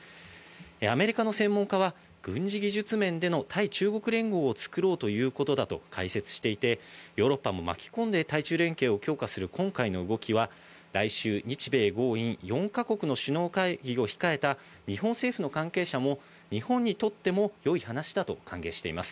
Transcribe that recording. アメリカの専門家は軍事技術面での対中国連合を作ろうということだと解説していて、ヨーロッパも巻き込んで対中連携を強化する今回の動きは来週、日米豪印４か国の首脳会議を控えた日本政府の関係者も日本にとっても良い話だと歓迎しています。